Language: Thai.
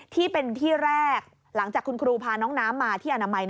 ที่เป็นที่แรกหลังจากคุณครูพาน้องน้ำมาที่อนามัย